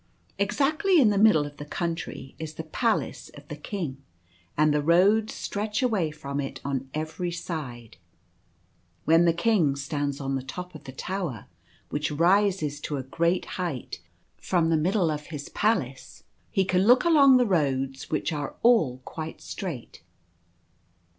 Exactly in the middle of the Country is the palace of the King, and the roads stretch away from it on every side. When the King stands on the top of the tower, which rises to a great height from the middle of his Within the Portal and Without. 5 palace, he can look along the roads, which are all quite straight.